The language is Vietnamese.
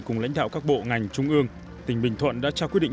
cùng lãnh đạo các bộ ngành trung ương tỉnh bình thuận đã trao quyết định